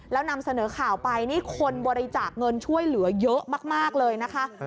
แล้วนำเสนอข่าวไปนี่คนบริจาคเงินช่วยเหลือเยอะมากเลยนะคะ